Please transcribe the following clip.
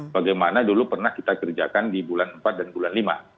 bagaimana dulu pernah kita kerjakan di bulan empat dan bulan lima